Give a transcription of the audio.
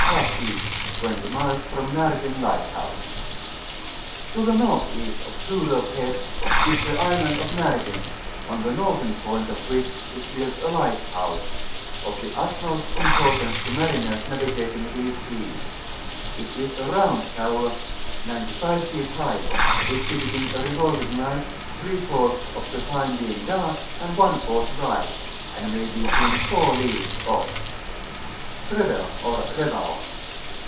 ^ E., 20 miles from Nargen* lighthouse. To the N.E. of Surop Head is the Island of NARGEN, on the northern point of which is built a Liqhthousb, of the utmost importance to mariners navigating these seas : it is a round tower, 95 feet hi^h, exhibiting a revolving light, three fourths of the time being dark, and one fourth bright, and may be seen 4 leagues ofl*. BJBTEL, ox RETAL.